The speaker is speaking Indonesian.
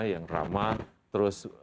yang ramah terus